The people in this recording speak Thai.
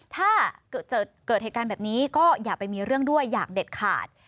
ถ้าเกิดเกิดเหตุการณ์แบบนี้ก็อย่าไปมีเรื่องด้วยอยากเด็ดขาด